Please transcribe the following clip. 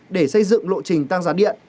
để xây dựng lộ trình tăng giá điện